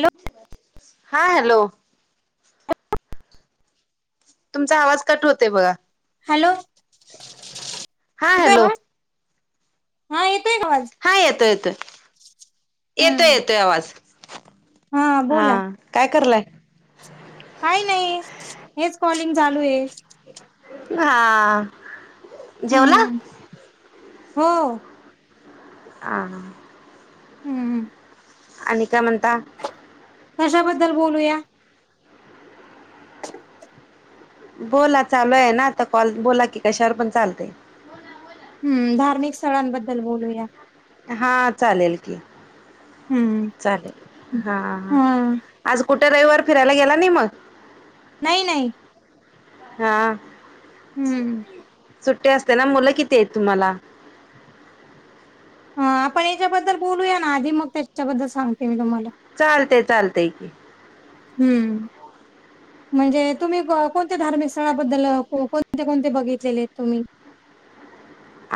Hello हा hello तुमचा आवाज कट होतोय बघा. हॅलो हा येतोय हॅलो आवाज हा येतोय का आवाज? हा येतोय येतोय येतोय हम्म येतोय आवाज हा काय करालाय? काही नाही हेच कॉलिंग चालूये. हा जेवला. हम्म हो हा हा हम्म. आणि काय म्हणता? कशाबद्दल बोलूया? बोला चालू आहे ना आता कॉल बोला की कशावर पण चालतंय. हम्, धार्मिक स्थळांबद्दल बोलूया. हा चालेल की हम्म चालेल हा हा आज कुठं रविवार फिरायला गेला नाही मग? नाही, नाही. हा. हम्म सुट्टी असते ना. मुलं किती आहेत तुम्हाला? हा आपण याच्याबद्दल बोलूया ना आधी मग त्याच्याबद्दल सांगते मी तुम्हाला. चालतय चालतय की. हम्म. म्हणजे तुम्ही कोणत्या धार्मिक स्थळाबद्दल कोणते कोणते बघितलेले आहेत तुम्ही?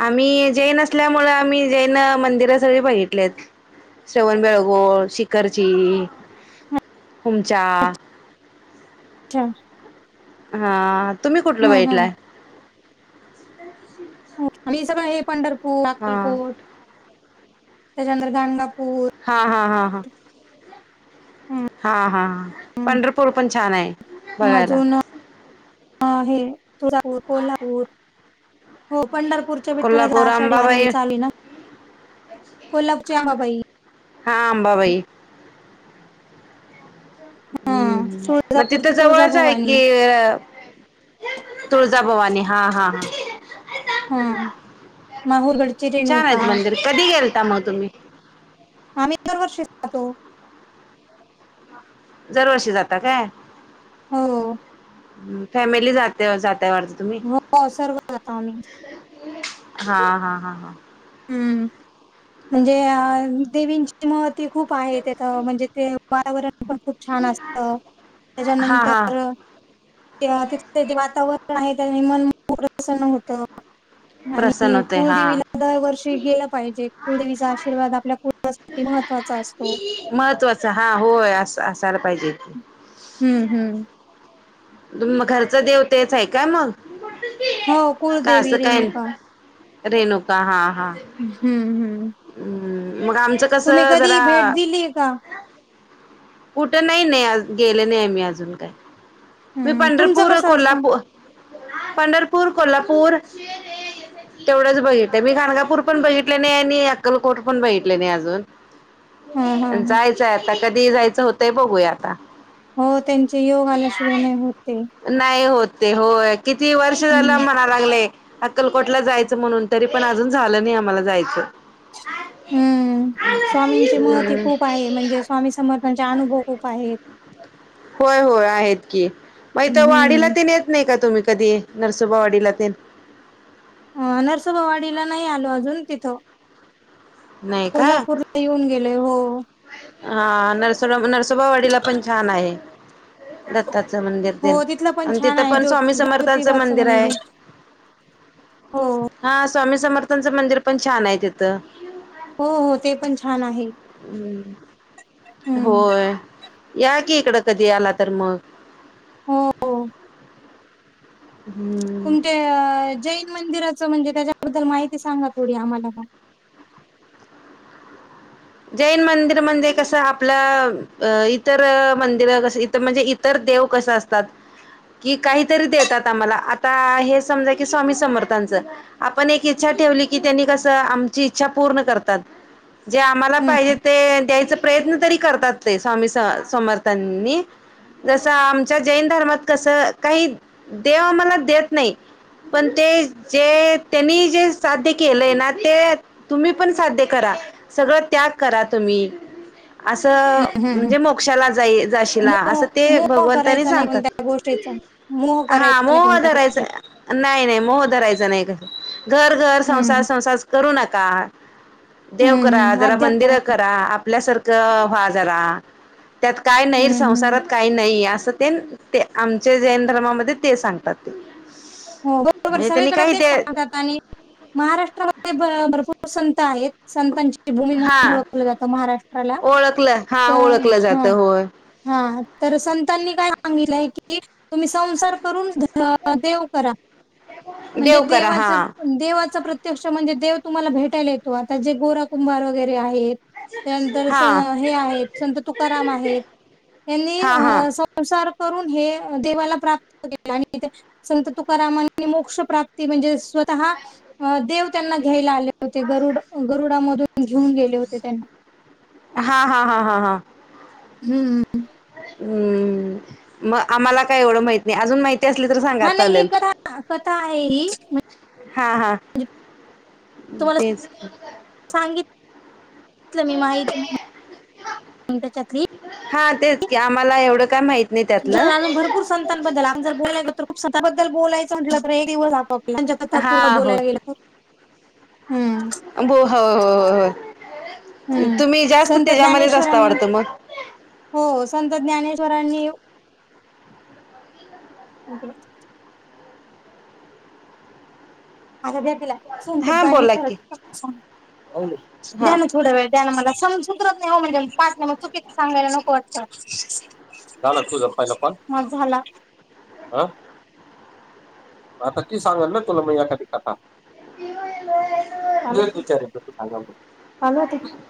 आम्ही जैन असल्यामुळ आम्ही जैन मंदिर सगळी बघितलेत‌. श्रवण बेळगोळ, शिखरची, हुमचा. [unintelligible] हा तुम्ही कुठलं हा हा बघितलाय? आम्ही सगळं हे पंढरपूर, हा अकलकोट त्याच्यानंतर गांगापूर. हा हा हा हा. हा हा हम्म पंढरपूर पण छान आहे बघायला. हा हे तुळजापूर, कोल्हापूर हो पंढरपूर ते विठलाची कोल्हापूर आषाढी वारी अंबाबाई चाली ना, कोल्हापूरची अंबाबाई हा अंबाबाई हा हम्म, मग तिथं तुळजापूरची जवळचं आहे तुळजाभवानी की तुळजाभवानी हा हा हा. हा, माहूरगडचे छान रेणूका. आहेत मंदिर कधी गेलता मग तुम्ही? आम्ही दरवर्षी जातो. जरव‌र्षी अशी जाता काय? हो फॅमिली जाते जाताय जाय [unintelligible] हा हा हा हा. हम्म. म्हणजे देवींची महती खूप आहे तेथ म्हणजे ते वातावरण पण खूप छान असतं, हा हा त्याच्यानंतर तिथे जे वातावरण आहे त्यानी म-न प्रसन होत. प्रसन्न आणि होते हा कुलदेवीला दरवर्षी गेलं पाहिजे कुलदेवीचा आशीर्वाद आपल्या कुटुंबासाठी महत्त्वाचा असतो. महत्त्वाचं हा होय अस असायला पाहिजे. हम्म. हम्म. मग घरचा देव तेचं आहे काय मग, हो का कुलदेवी असं काय नाही? रेणुका. रेणुका हा हा. हम्म हम्म हम्म. मग आमचं कसं जरा आलीये का? कुठं नाही, नाही गेले नाहीये मी अजून काय. मी हम्म. तुमचं पंढरपूर कसं असतं? कोल्हापू पंढरपूर, कोल्हापूर तेवढंच बघितलंय. मी गाणगापूर पण बघितले नाही आणि अक्कलकोट पण बघितले नाही अजून. हां हां हां. जायचंय आता. कधी जायचं होतंय बघूया आता. हो त्यांचे योग आल्याशिवाय नाही होतं. ते. नाही होत ते होय. किती वर्ष झालं हम्म. अम्हणा लागलेय. अक्कलकोटला जायचं म्हणून. तरी पण अजून झालं नाही आम्हाला जायचं. हम्म स्वामींची महती हम्म खूप आहे. म्हणजे स्वामी समर्थांचा अनुभव खूप आहेत. होय होय आहेत की, म हिथ वाडीला हम्म. ते नेत नाही का तुम्ही कधी. नरसोबा वाडीला ते? अ नरसोबावाडीला नाही आलो अजून तिथं. नाही का कोल्हापूर ला येऊन गेलोय हो. हा नरसोबा नरसोबावाडीला पण छान आहे. दत्ताचं मंदिर ते, हो तिथलं पण अण छान तिथं आहे पण ज्यो स्वामी समर्थांचं ज्योतिबाचं मंदिर ये. हो. हा स्वामी समर्थांचं मंदिर पण छाने तिथं. हो हो ते पण छान आहे [inaudible] ह् हम्म होय या कि इकडं कधी आला तर मग. हो ओ. हम्म. तुमच्या जैन मंदिराचं, म्हणजे त्याच्याबद्दल माहिती सांगा थोडी आम्हाला? जैन मंदिर म्हणजे कस. आपल्या अ इतर मंदिर कस इत म्हणजे इतर देव कसं असत त. कि काहीतरी देतात आम्हाला. आता हे समजा की, स्वामी समर्थांचं. आपण एक इच्छा ठेवली की त्यांनी कस, आमची इच्छा पूर्ण करतात. जे आम्हाला हम्म पाहिजे ते द्यायचा प्रयत्न तरी करतात ते. स्वामी समर्थांनी. जसं आमच्या जैन धर्मात कसं, काही देव आम्हाला देतं नाही. पण ते जे त्यांनी जे साध्य केलंय ना ते तुम्ही पण साध्य करा, सगळ त्याग करा तुम्ही. असं हम्म हम्म हम्म म्हणजे, मोक्षाला जाई जाशीला. मोह असं ते मोह भगवंतांनी करायचा नाही सांगतात. कोणत्या गोष्टीचा मोह हा करायचा नाही मोह कोणत्या धरायचं गोष्टीचा नाही नाही मोह धरायचा नाही. घर घर संसार हम्म संसार करू नका. देव हम्म करा. हम्म जरा अध्यात्म मंदिर करा. आपल्यासारखं व्हा जरा. त्यात काय नाही. हम्म हम्म संसारात काय नाहीय. असं तेन आमच्या जैन धर्मामध्ये ते सांगत हो बरोबर म्हणजे त्यांनी सगळीकडे काही तेच त्या सांगतात आणि महाराष्ट्रामध्ये भ भरपूर संत आहेत. संतांची भूमी हा म्हणून ओळखलं जातं महाराष्ट्राला. ओळखलं हा त ओळखलं जात ह. होय ह तर संतांनी काय सांगलंय की, तुम्ही संसार करून देव करा. म्हणजे देव करा देवाच हा देवाचा प्रत्यक्ष म्हणजे, देव तुम्हाला भेटायला येतो. आता जे गोरा कुंभार वगैरे आहेत. त्यानंतर अस‌् हा हे आहेत. संत तुकाराम आहेत. यांनी हा हा संसार करून हे देवाला प्राप्त केले. आणि ते संत तुक रामानी मोक्ष प्राप्ती म्हणजे, स्वतः देव त्यांना घ्यायला आले होते. गरुड गरुडामधून घेऊन गेले होते त्यांना. हा हा ह ह ह. हम्म हम्म मग आम्हाला काय एवढं माहित नाही अजून माहिती असली तर सांगा हा नाही हे चालेल कथा कथा आहे हा हा तुम्हाला तेच सांगितलं मी माहिती मग त्याच्यातली हा तेच की आम्हाला एवढं काय माहिती अजून भरपूर संतांबद्दल आम ज बोलाय तर खूप संतांबद्दल बोलायचंटलं तर हे दिवस आप च्या कथा हा पूर्ण हो बोलायला गेलं तर हम्म हो हो हो हो हो हम्म तुम्ही जास्त संत त्याच्यामध्येच असता ज्ञानेश्वरांनी वाढत मग हो संत ज्ञानेश्वरांनी हो का माझा्याटला हा बोला की हा सतने थोड वेळ द्या ना मला समज सूदरत नाही हो म्हणजे पाटण्या मग चुकीच सांगायला नको वाटतं झाला तुझ पहिला पण माज झाला अ आता ती सांगाल ना तुला मग या हा हा चालू होतंय